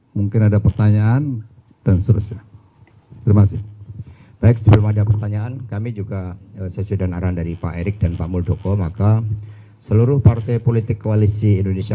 mungkin ada pertanyaan dan seterusnya